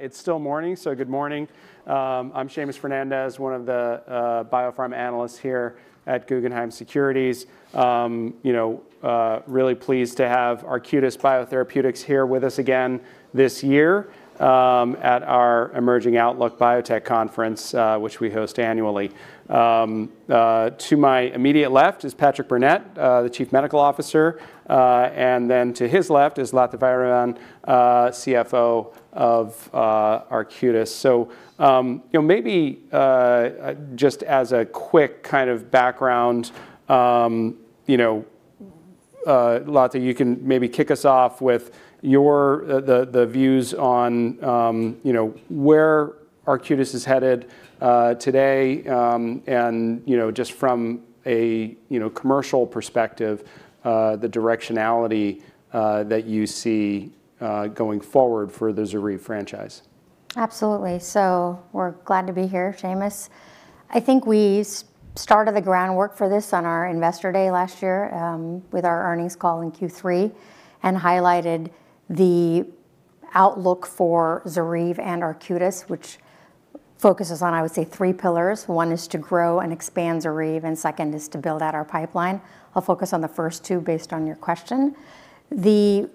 It's still morning, so good morning. I'm Seamus Fernandez, one of the BioPharm analysts here at Guggenheim Securities. You know, really pleased to have Arcutis Biotherapeutics here with us again this year at our Emerging Outlook Biotech Conference, which we host annually. To my immediate left is Patrick Burnett, the Chief Medical Officer. And then to his left is Latha Vairavan, CFO of Arcutis. So, you know, maybe just as a quick kind of background, you know, Latha, you can maybe kick us off with your views on, you know, where Arcutis is headed today and, you know, just from a, you know, commercial perspective, the directionality that you see going forward for the ZORYVE franchise. Absolutely. So we're glad to be here, Seamus. I think we started the groundwork for this on our investor day last year with our earnings call in Q3 and highlighted the outlook for ZORYVE and Arcutis which focuses on I would say three pillars. One is to grow and expand ZORYVE and second is to build out our pipeline. I'll focus on the first two based on your question. Then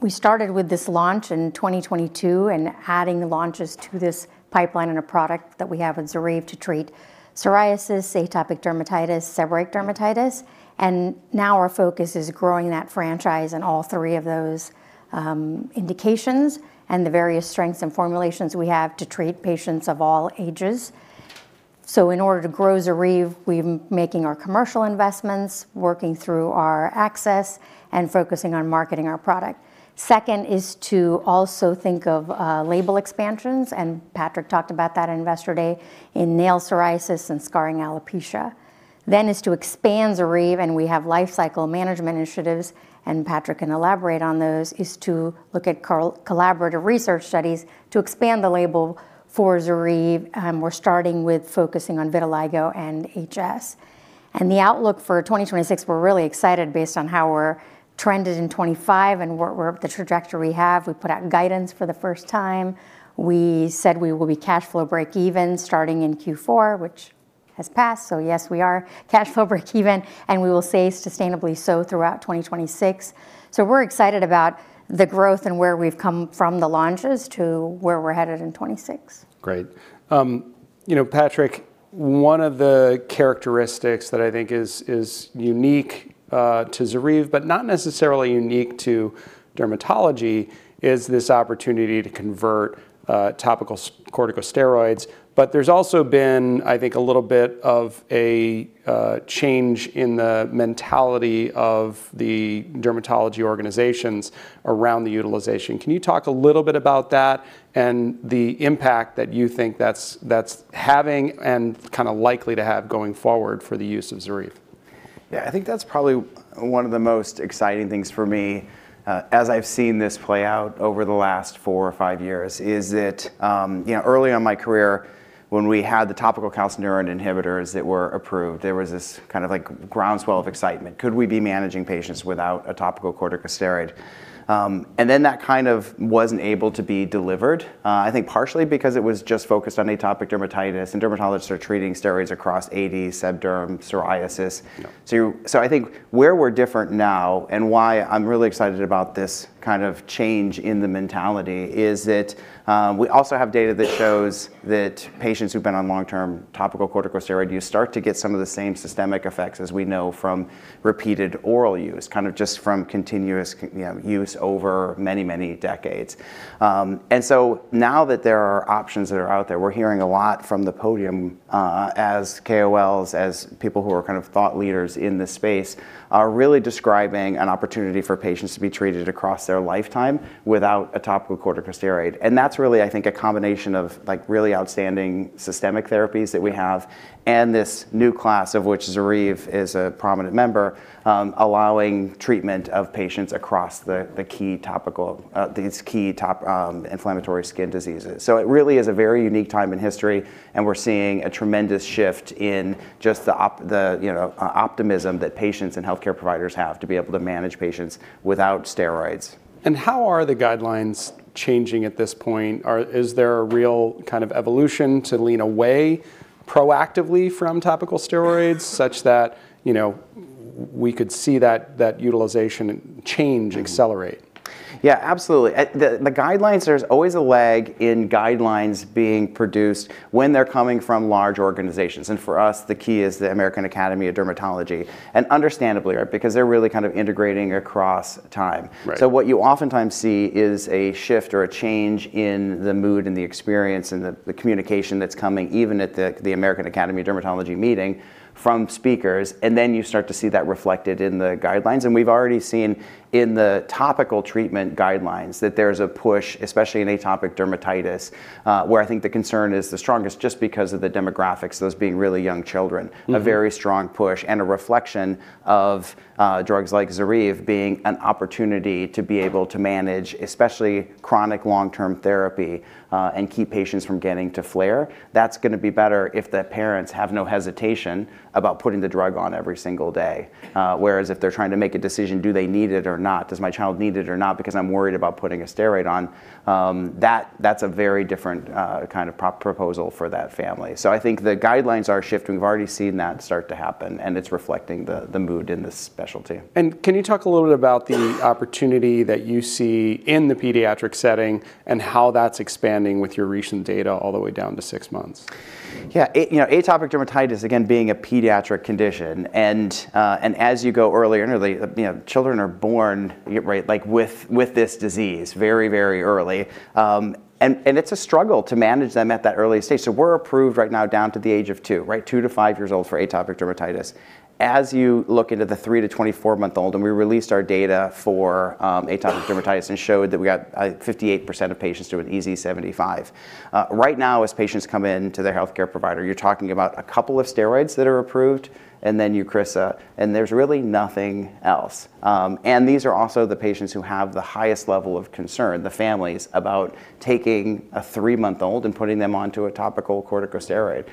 we started with this launch in 2022 and adding launches to this pipeline and a product that we have with ZORYVE to treat psoriasis, atopic dermatitis, seborrheic dermatitis. And now our focus is growing that franchise in all three of those indications and the various strengths and formulations we have to treat patients of all ages. So in order to grow ZORYVE we're making our commercial investments working through our access and focusing on marketing our product. Second is to also think of label expansions and Patrick talked about that investor day in nail psoriasis and scarring alopecia. Then is to expand ZORYVE and we have life cycle management initiatives and Patrick can elaborate on those is to look at collaborative research studies to expand the label for ZORYVE we're starting with focusing on vitiligo and HS. And the outlook for 2026 we're really excited based on how we're trended in 2025 and what we're the trajectory we have. We put out guidance for the first time. We said we will be cash flow break even starting in Q4 which has passed so yes we are cash flow break even and we will stay sustainably so throughout 2026. So we're excited about the growth and where we've come from the launches to where we're headed in 2026. Great. You know, Patrick, one of the characteristics that I think is unique to ZORYVE but not necessarily unique to dermatology is this opportunity to convert topical corticosteroids. But there's also been, I think, a little bit of a change in the mentality of the dermatology organizations around the utilization. Can you talk a little bit about that and the impact that you think that's having and kinda likely to have going forward for the use of ZORYVE? Yeah, I think that's probably one of the most exciting things for me as I've seen this play out over the last 4 or 5 years is that you know early on in my career when we had the topical calcineurin inhibitors that were approved there was this kind of like groundswell of excitement. Could we be managing patients without a topical corticosteroid? Then that kind of wasn't able to be delivered I think partially because it was just focused on atopic dermatitis and dermatologists are treating steroids across AD seb derm psoriasis. Yep. So, you so I think where we're different now and why I'm really excited about this kind of change in the mentality is that we also have data that shows that patients who've been on long-term topical corticosteroid use start to get some of the same systemic effects as we know from repeated oral use kind of just from continuous you know use over many many decades. So now that there are options that are out there we're hearing a lot from the podium as KOLs as people who are kind of thought leaders in this space are really describing an opportunity for patients to be treated across their lifetime without a topical corticosteroid. That's really I think a combination of like really outstanding systemic therapies that we have and this new class of which ZORYVE is a prominent member allowing treatment of patients across the key topical inflammatory skin diseases. It really is a very unique time in history and we're seeing a tremendous shift in just the you know optimism that patients and healthcare providers have to be able to manage patients without steroids. How are the guidelines changing at this point? Or is there a real kind of evolution to lean away proactively from topical steroids such that you know we could see that that utilization change accelerate? Yeah, absolutely. At the guidelines, there's always a lag in guidelines being produced when they're coming from large organizations. And for us, the key is the American Academy of Dermatology, and understandably, right, because they're really kind of integrating across time. Right. So what you oftentimes see is a shift or a change in the mood and the experience and the communication that's coming even at the American Academy of Dermatology meeting from speakers. And then you start to see that reflected in the guidelines. And we've already seen in the topical treatment guidelines that there's a push especially in atopic dermatitis where I think the concern is the strongest just because of the demographics those being really young children. Mm-hmm. A very strong push and a reflection of drugs like ZORYVE being an opportunity to be able to manage especially chronic long-term therapy and keep patients from getting to flare. That's gonna be better if the parents have no hesitation about putting the drug on every single day. Whereas if they're trying to make a decision do they need it or not does my child need it or not because I'm worried about putting a steroid on that that's a very different kind of proposition for that family. So I think the guidelines are shifting. We've already seen that start to happen and it's reflecting the mood in this specialty. Can you talk a little bit about the opportunity that you see in the pediatric setting and how that's expanding with your recent data all the way down to six months? Yeah, you know, atopic dermatitis again being a pediatric condition. And as you go earlier, you know, children are born, right, like with this disease very early. And it's a struggle to manage them at that early stage. So we're approved right now down to the age of 2, right, 2- to 5-year-olds for atopic dermatitis. As you look into the 3- to 24-month-olds and we released our data for atopic dermatitis and showed that we got 58% of patients doing EASI-75. Right now as patients come in to their healthcare provider, you're talking about a couple of steroids that are approved and then Eucrisa and there's really nothing else. These are also the patients who have the highest level of concern the families about taking a 3-month-old and putting them onto a topical corticosteroid.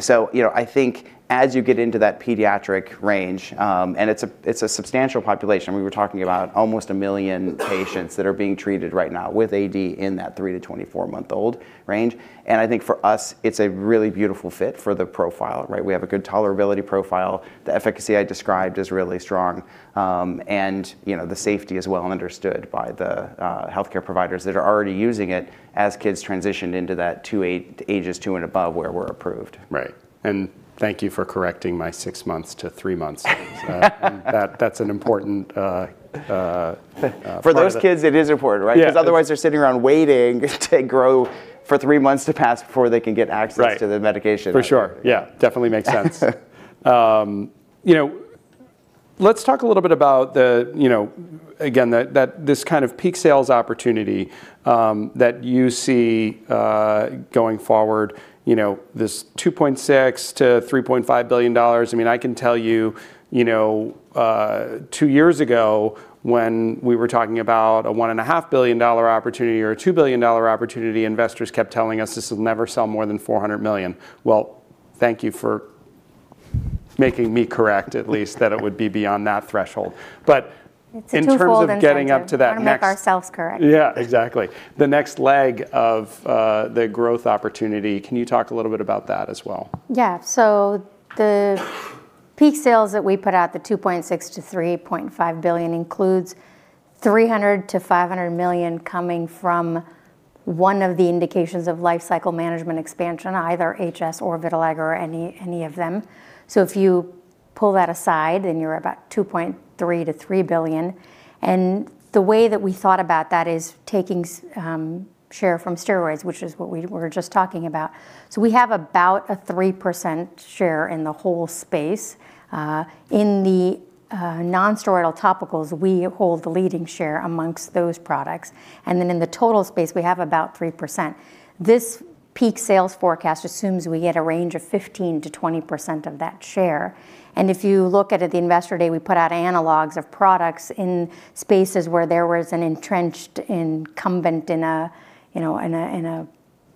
So you know I think as you get into that pediatric range and it's a substantial population we were talking about almost 1 million patients that are being treated right now with AD in that 3- to 24-month-old range. I think for us it's a really beautiful fit for the profile right. We have a good tolerability profile. The efficacy I described is really strong. You know the safety is well understood by the healthcare providers that are already using it as kids transition into that 2-8 ages 2 and above where we're approved. Right. Thank you for correcting my 6 months to 3 months. That's an important point. For those kids it is important, right. Yeah. 'Cause otherwise they're sitting around waiting to grow for three months to pass before they can get access. Right. To the medication. For sure. Yeah, definitely makes sense. You know, let's talk a little bit about the—you know, again, that—that this kind of peak sales opportunity that you see going forward. You know, this $2.6 billion-$3.5 billion. I mean, I can tell you—you know, two years ago when we were talking about a $1.5 billion opportunity or a $2 billion opportunity, investors kept telling us this will never sell more than $400 million. Well, thank you for making me correct—at least that it would be beyond that threshold. But in terms of getting up to that next. It's a tool for gonna make ourselves correct. Yeah, exactly. The next leg of the growth opportunity, can you talk a little bit about that as well? Yeah, so the peak sales that we put out, the $2.6 billion-$3.5 billion, includes $300 million-$500 million coming from one of the indications of life cycle management expansion, either HS or vitiligo or any any of them. So if you pull that aside, then you're about $2.3 billion-$3 billion. And the way that we thought about that is taking a share from steroids, which is what we were just talking about. So we have about a 3% share in the whole space. In the non-steroidal topicals, we hold the leading share amongst those products. And then in the total space, we have about 3%. This peak sales forecast assumes we get a range of 15%-20% of that share. If you look at it the investor day we put out analogs of products in spaces where there was an entrenched incumbent in a you know in a in a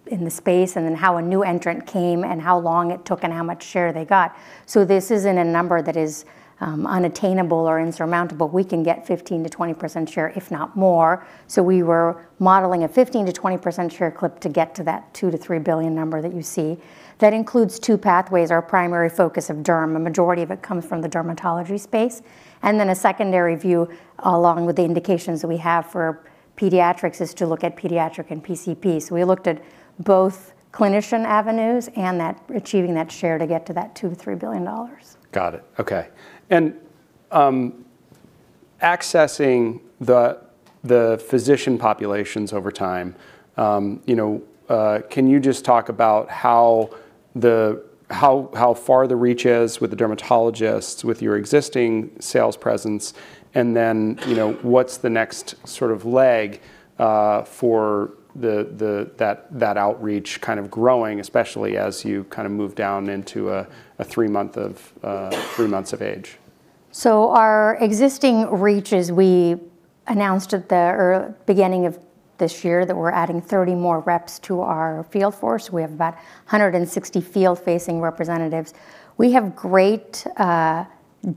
in the space and then how a new entrant came and how long it took and how much share they got. So this isn't a number that is unattainable or insurmountable. We can get 15%-20% share if not more. So we were modeling a 15%-20% share clip to get to that $2 billion-$3 billion number that you see. That includes two pathways our primary focus of derm a majority of it comes from the dermatology space. Then a secondary view along with the indications that we have for pediatrics is to look at pediatric and PCP. We looked at both clinician avenues and that achieving that share to get to that $2 billion-$3 billion. Got it. Okay. And accessing the physician populations over time you know can you just talk about how far the reach is with the dermatologists with your existing sales presence and then you know what's the next sort of leg for that outreach kind of growing especially as you kinda move down into three months of age? So our existing reach is we announced at the early beginning of this year that we're adding 30 more reps to our field force. We have about 160 field-facing representatives. We have great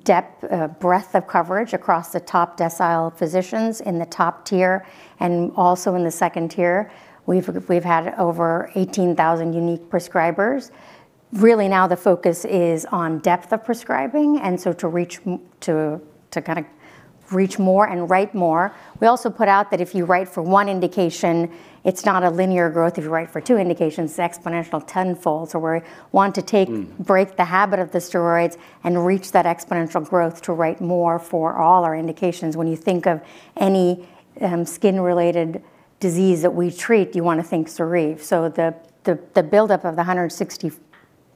depth breadth of coverage across the top decile physicians in the top tier and also in the second tier. We've had over 18,000 unique prescribers. Really now the focus is on depth of prescribing and so to reach more to kinda reach more and write more. We also put out that if you write for 1 indication it's not a linear growth. If you write for 2 indications it's exponential tenfold. So we want to take Break the habit of the steroids and reach that exponential growth to write more for all our indications. When you think of any skin-related disease that we treat you wanna think ZORYVE. So the buildup of the 160+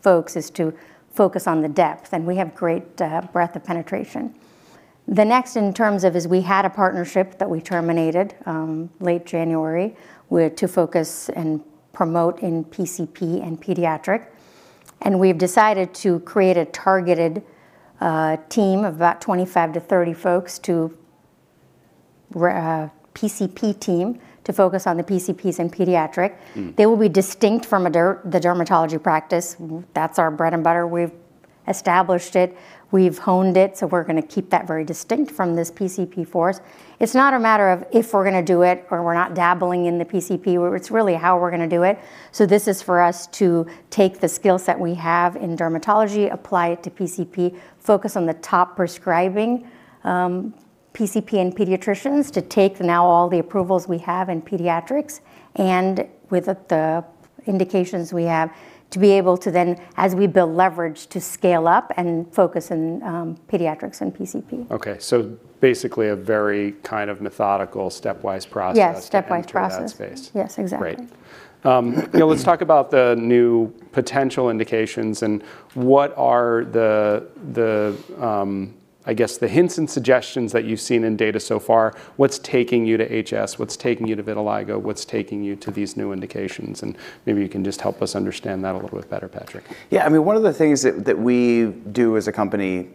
folks is to focus on the depth and we have great breadth of penetration. The next in terms of is we had a partnership that we terminated late January with to focus and promote in PCP and pediatric. And we've decided to create a targeted team of about 25-30 folks to re PCP team to focus on the PCPs in pediatric. Mm-hmm. They will be distinct from our dermatology practice. Well, that's our bread and butter. We've established it. We've honed it so we're gonna keep that very distinct from this PCP world. It's not a matter of if we're gonna do it or we're not dabbling in the PCP world; it's really how we're gonna do it. So this is for us to take the skill set we have in dermatology apply it to PCP focus on the top prescribing PCP and pediatricians to take now all the approvals we have in pediatrics and with the indications we have to be able to then as we build leverage to scale up and focus in pediatrics and PCP. Okay. So basically a very kind of methodical stepwise process. Yeah, stepwise process. To the ad space. Yes exactly. Great. You know, let's talk about the new potential indications and what are the I guess the hints and suggestions that you've seen in data so far? What's taking you to HS? What's taking you to Vitiligo? What's taking you to these new indications? And maybe you can just help us understand that a little bit better, Patrick. Yeah, I mean one of the things that we do as a company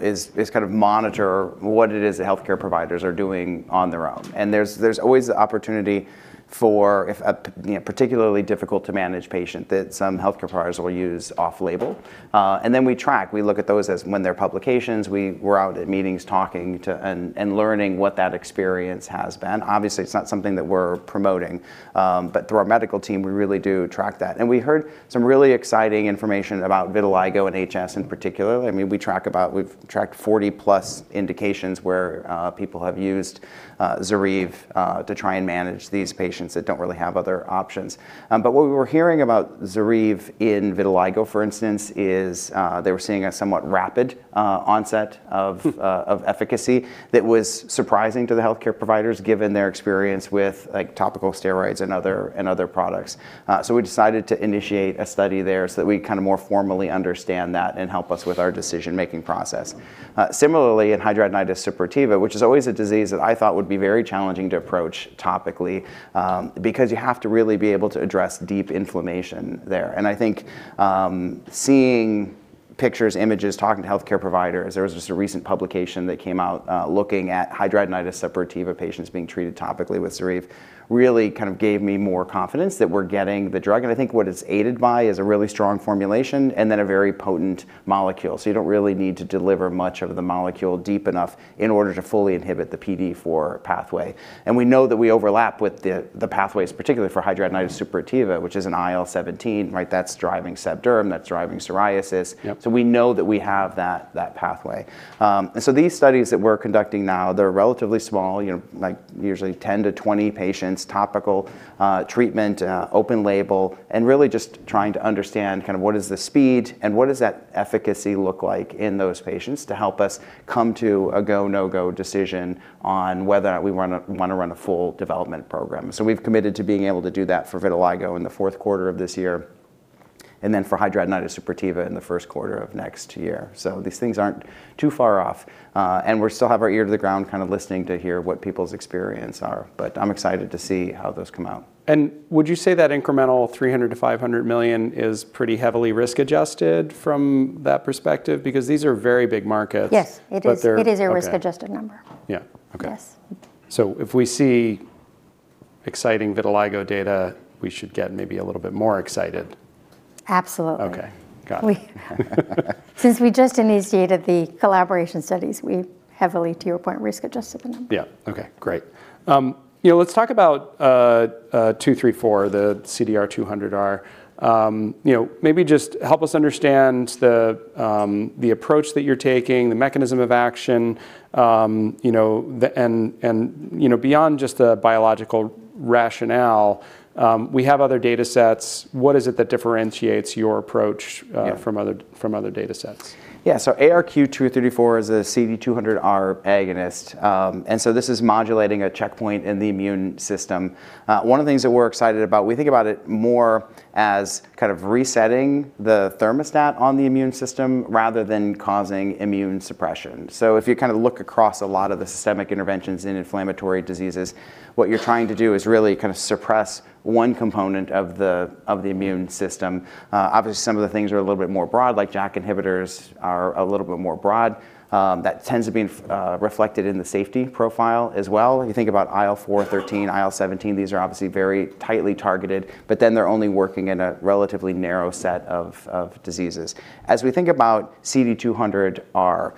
is kind of monitor what it is that healthcare providers are doing on their own. And there's always the opportunity for, if a, you know, particularly difficult to manage patient, that some healthcare providers will use off-label. And then we track. We look at those as when they're publications we're out at meetings talking to and learning what that experience has been. Obviously it's not something that we're promoting, but through our medical team we really do track that. And we heard some really exciting information about vitiligo and HS in particular. I mean we've tracked 40+ indications where people have used ZORYVE to try and manage these patients that don't really have other options. But what we were hearing about ZORYVE in vitiligo for instance is they were seeing a somewhat rapid onset of efficacy that was surprising to the healthcare providers given their experience with like topical steroids and other products. So we decided to initiate a study there so that we kinda more formally understand that and help us with our decision-making process. Similarly in hidradenitis suppurativa which is always a disease that I thought would be very challenging to approach topically because you have to really be able to address deep inflammation there. And I think seeing pictures images talking to healthcare providers there was just a recent publication that came out looking at hidradenitis suppurativa patients being treated topically with ZORYVE really kind of gave me more confidence that we're getting the drug. I think what it's aided by is a really strong formulation and then a very potent molecule. So you don't really need to deliver much of the molecule deep enough in order to fully inhibit the PDE4 pathway. We know that we overlap with the pathways particularly for hidradenitis suppurativa which is an IL-17 right that's driving seb derm that's driving psoriasis. Yep. So we know that we have that that pathway. And so these studies that we're conducting now they're relatively small you know like usually 10-20 patients topical treatment open label and really just trying to understand kinda what is the speed and what does that efficacy look like in those patients to help us come to a go no go decision on whether or not we wanna wanna run a full development program. So we've committed to being able to do that for Vitiligo in the fourth quarter of this year and then for Hidradenitis suppurativa in the first quarter of next year. So these things aren't too far off. And we're still have our ear to the ground kinda listening to hear what people's experience are. But I'm excited to see how those come out. Would you say that incremental $300 million-$500 million is pretty heavily risk adjusted from that perspective? Because these are very big markets. Yes it is. But they're. It is a risk adjusted number. Yeah. Okay. Yes. If we see exciting Vitiligo data we should get maybe a little bit more excited. Absolutely. Okay. Got it. Since we just initiated the collaboration studies, we heavily, to your point, risk-adjusted the number. Yeah. Okay. Great. You know, let's talk about ARQ-234, the CD200R. You know, maybe just help us understand the approach that you're taking, the mechanism of action. You know, the and you know, beyond just the biological rationale, we have other data sets. What is it that differentiates your approach from other data sets? Yeah, so ARQ-234 is a CD200R agonist, and so this is modulating a checkpoint in the immune system. One of the things that we're excited about, we think about it more as kind of resetting the thermostat on the immune system rather than causing immune suppression. So if you kinda look across a lot of the systemic interventions in inflammatory diseases, what you're trying to do is really kinda suppress one component of the immune system. Obviously some of the things are a little bit more broad like JAK inhibitors are a little bit more broad. That tends to be reflected in the safety profile as well. You think about IL-4/IL-13, IL-17; these are obviously very tightly targeted but then they're only working in a relatively narrow set of diseases. As we think about CD200R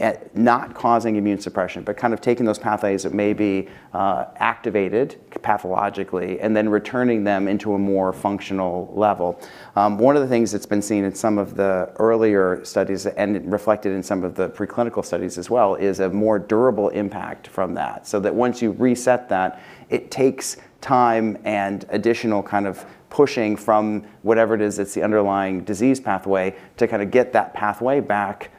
as not causing immune suppression but kind of taking those pathways that may be activated pathologically and then returning them into a more functional level. One of the things that's been seen in some of the earlier studies and it reflected in some of the preclinical studies as well is a more durable impact from that. So that once you reset that it takes time and additional kind of pushing from whatever it is that's the underlying disease pathway to kinda get that pathway back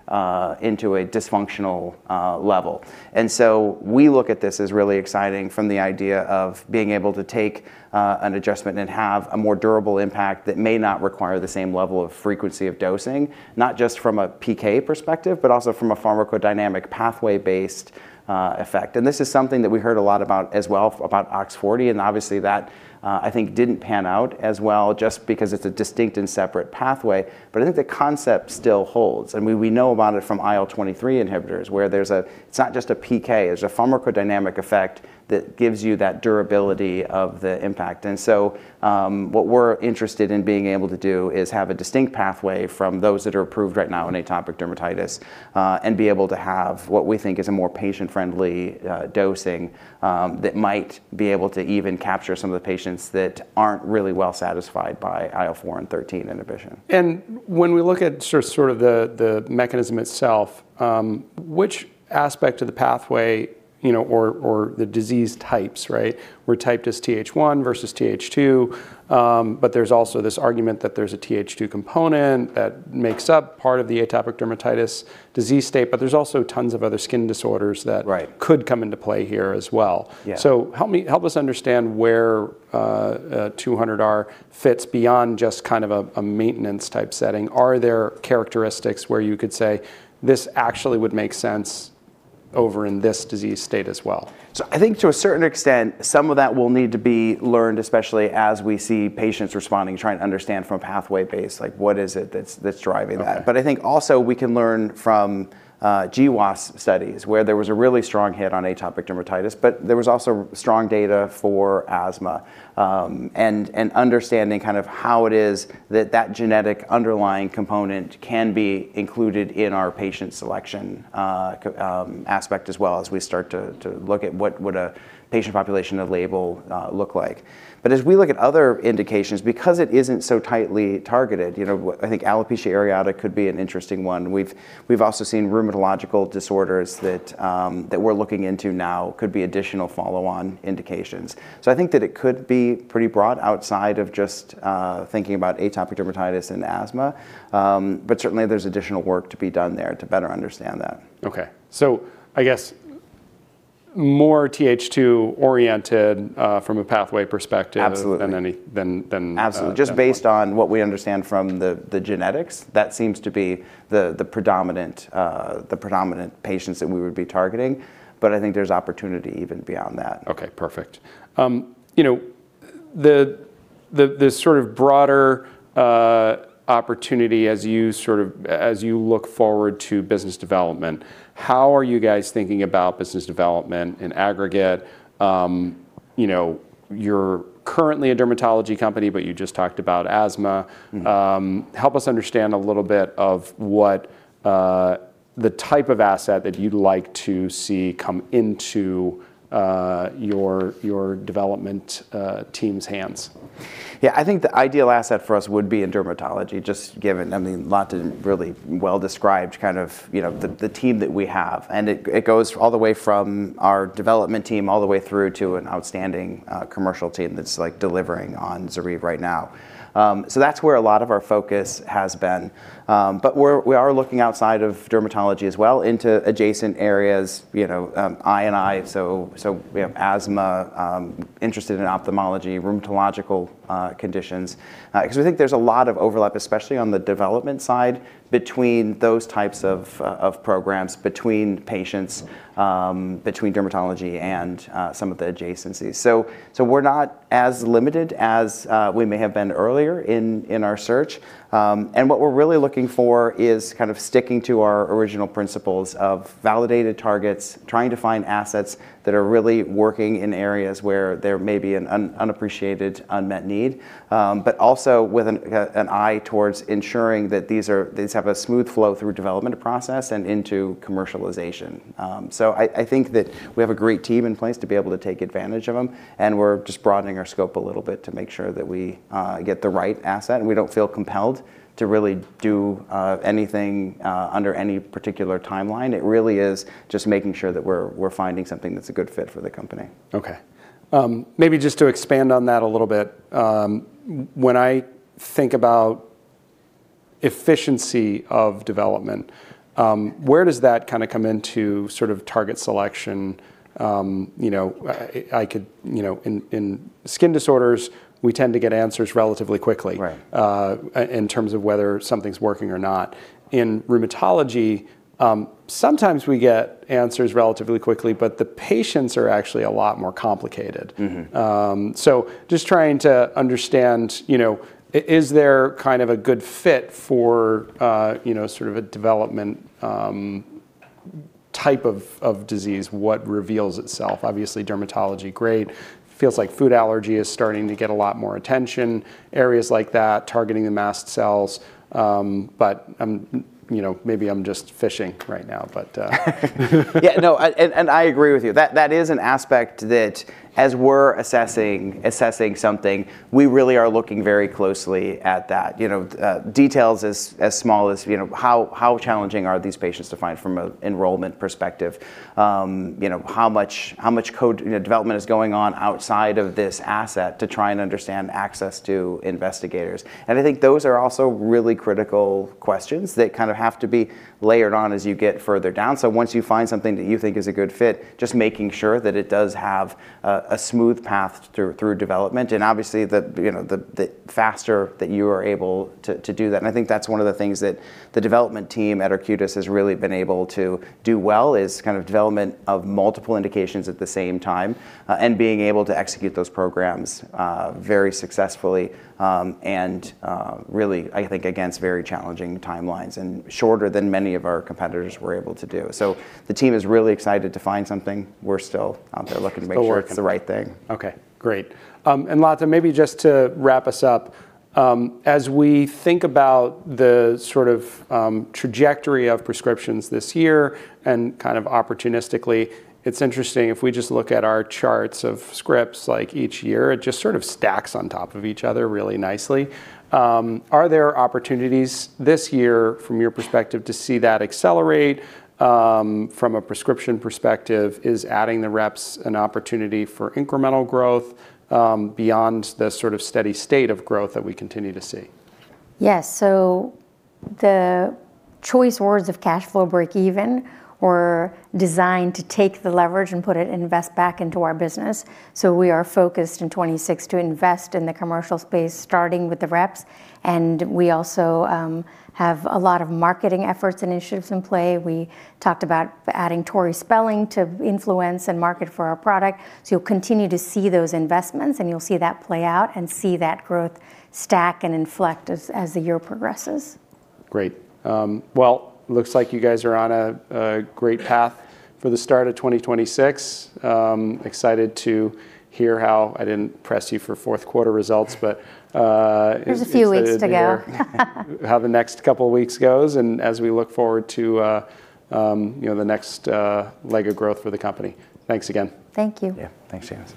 into a dysfunctional level. And so we look at this as really exciting from the idea of being able to take an adjustment and have a more durable impact that may not require the same level of frequency of dosing not just from a PK perspective but also from a pharmacodynamic pathway-based effect. And this is something that we heard a lot about as well about OX40 and obviously that I think didn't pan out as well just because it's a distinct and separate pathway. But I think the concept still holds. I mean we know about it from IL-23 inhibitors where there's a it's not just a PK it's a pharmacodynamic effect that gives you that durability of the impact. And so what we're interested in being able to do is have a distinct pathway from those that are approved right now in atopic dermatitis and be able to have what we think is a more patient-friendly dosing that might be able to even capture some of the patients that aren't really well satisfied by IL-4/IL-13 inhibition. When we look at sort of the mechanism itself, which aspect of the pathway, you know, or the disease types, right? We're typed as TH1 versus TH2. But there's also this argument that there's a TH2 component that makes up part of the atopic dermatitis disease state, but there's also tons of other skin disorders that. Right. Could come into play here as well. Yeah. So help me help us understand where CD200R fits beyond just kind of a maintenance type setting. Are there characteristics where you could say this actually would make sense over in this disease state as well? So, I think to a certain extent some of that will need to be learned, especially as we see patients responding, trying to understand from a pathway basis like what is it that's driving that. But I think also we can learn from GWAS studies where there was a really strong hit on atopic dermatitis but there was also a strong data for asthma. And understanding kind of how it is that genetic underlying component can be included in our patient selection aspect as well as we start to look at what would a patient population of label look like. But as we look at other indications because it isn't so tightly targeted, you know, I think alopecia areata could be an interesting one. We've also seen rheumatological disorders that we're looking into now could be additional follow-on indications. I think that it could be pretty broad outside of just thinking about atopic dermatitis and asthma. But certainly there's additional work to be done there to better understand that. Okay. I guess more TH2 oriented from a pathway perspective. Absolutely. Than any than than. Absolutely just based on what we understand from the genetics that seems to be the predominant patients that we would be targeting. But I think there's opportunity even beyond that. Okay. Perfect. You know, the this sort of broader opportunity as you sort of, as you look forward to business development, how are you guys thinking about business development in aggregate? You know, you're currently a dermatology company, but you just talked about asthma. Mm-hmm. Help us understand a little bit of what the type of asset that you'd like to see come into your development team's hands. Yeah, I think the ideal asset for us would be in dermatology just given I mean lots of really well described kind of you know the team that we have. And it goes all the way from our development team all the way through to an outstanding commercial team that's like delivering on ZORYVE right now. So that's where a lot of our focus has been. But we're looking outside of dermatology as well into adjacent areas you know and so you know asthma interested in ophthalmology rheumatological conditions. 'Cause we think there's a lot of overlap especially on the development side between those types of programs between patients between dermatology and some of the adjacencies. So we're not as limited as we may have been earlier in our search. What we're really looking for is kind of sticking to our original principles of validated targets, trying to find assets that are really working in areas where there may be an unappreciated unmet need. But also with an eye towards ensuring that these have a smooth flow through development process and into commercialization. So I think that we have a great team in place to be able to take advantage of them. And we're just broadening our scope a little bit to make sure that we get the right asset and we don't feel compelled to really do anything under any particular timeline. It really is just making sure that we're finding something that's a good fit for the company. Okay. Maybe just to expand on that a little bit. When I think about efficiency of development, where does that kinda come into sort of target selection? You know, I could, you know, in skin disorders we tend to get answers relatively quickly. Right. In terms of whether something's working or not. In rheumatology sometimes we get answers relatively quickly but the patients are actually a lot more complicated. Mm-hmm. Just trying to understand, you know, is there kind of a good fit for, you know, sort of a development type of disease what reveals itself. Obviously dermatology great. Feels like food allergy is starting to get a lot more attention, areas like that targeting the mast cells. But I'm not, you know, maybe I'm just fishing right now but. Yeah, no, I agree with you. That is an aspect that as we're assessing something we really are looking very closely at that. You know, details as small as you know how challenging are these patients to find from an enrollment perspective. You know how much code development is going on outside of this asset to try and understand access to investigators. And I think those are also really critical questions that kinda have to be layered on as you get further down. So once you find something that you think is a good fit, just making sure that it does have a smooth path through development. And obviously, you know, the faster that you are able to do that. I think that's one of the things that the development team at Arcutis has really been able to do well: kind of development of multiple indications at the same time, and being able to execute those programs very successfully, and really, I think, against very challenging timelines and shorter than many of our competitors were able to do. So the team is really excited to find something. We're still out there looking to make sure it's the right thing. Okay. Great. And Latha, maybe just to wrap us up. As we think about the sort of trajectory of prescriptions this year and kind of opportunistically, it's interesting if we just look at our charts of scripts like each year it just sort of stacks on top of each other really nicely. Are there opportunities this year from your perspective to see that accelerate? From a prescription perspective, is adding the reps an opportunity for incremental growth beyond the sort of steady state of growth that we continue to see? Yes, so the choice words of cash flow break even were designed to take the leverage and put it invest back into our business. So we are focused in 2026 to invest in the commercial space starting with the reps. We also have a lot of marketing efforts and initiatives in play. We talked about adding Tori Spelling to influence and market for our product. So you'll continue to see those investments and you'll see that play out and see that growth stack and inflect as the year progresses. Great. Well, looks like you guys are on a great path for the start of 2026. Excited to hear how I didn't press you for fourth quarter results, but is there. There's a few weeks to go. How the next couple weeks goes and as we look forward to you know the next leg of growth for the company. Thanks again. Thank you. Yeah, thanks Seamus.